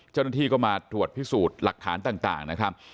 เจ้าหน้าที่ก็มาตรวจพิสูจน์หลักฐานต่างนะครับ